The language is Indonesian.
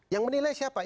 yang menilai siapa